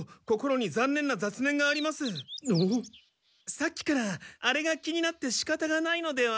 さっきからあれが気になってしかたがないのでは？